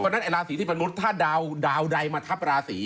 เพราะฉะนั้นไอราศีที่พนุษย์ถ้าดาวใดมาทับราศี